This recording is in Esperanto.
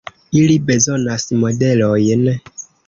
Ili bezonas modelojn.